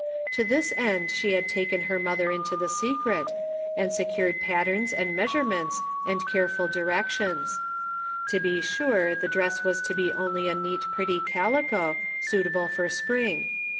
To this end she had taken her mother into the secret, and secured patterns and meas urements and careful directions. To be sure the dress was to be only a neat pretty calico, suitable for spring.